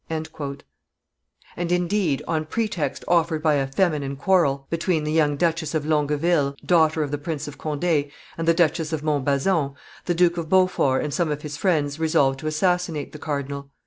'" And indeed, on pretext offered by a feminine quarrel between the young Duchess of Longueville, daughter of the Prince of Conde, and the Duchess of Montbazon, the Duke of Beaufort and some of his friends resolved to assassinate the cardinal.